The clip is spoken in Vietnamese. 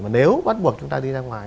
mà nếu bắt buộc chúng ta đi ra ngoài